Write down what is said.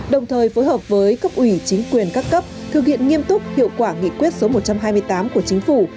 đồng thời phối hợp với cấp ủy chính quyền các cấp thực hiện nghiêm túc hiệu quả nghị quyết số một trăm hai mươi tám của chính phủ